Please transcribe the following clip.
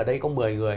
ở đây có một mươi người